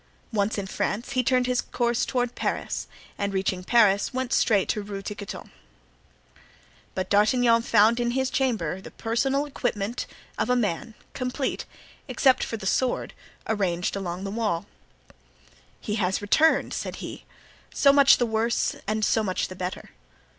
Once in France he turned his course toward Paris, and reaching Paris went straight to Rue Tiquetonne. But D'Artagnan found in his chamber the personal equipment of a man, complete, except for the sword, arranged along the wall. "He has returned," said he. "So much the worse, and so much the better!"